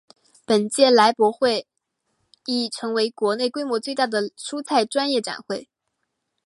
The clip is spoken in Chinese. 本届菜博会亦成为国内规模最大的蔬菜专业展会。